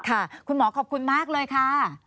คุณหมอขอบคุณมากเลยค่ะ